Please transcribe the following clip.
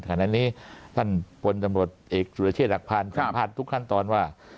ขณะนี้ท่านบนตำรวจเอกสุรเชษฐกภารผ่านทุกขั้นตอนว่า